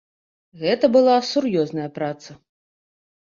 Гэта была сур'ёзная праца.